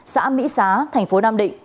xã mỹ xá tp nam định